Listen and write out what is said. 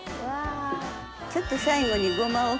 ちょっと最後にごまを。